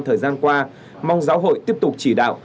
thời gian qua mong giáo hội tiếp tục chỉ đạo